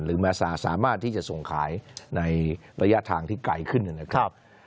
สามารถที่จะส่งขายในระยะทางที่ไกลขึ้นนะครับ